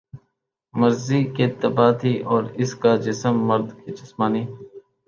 مرضی کے تابع تھی اور اس کا جسم مرد کے جسمانی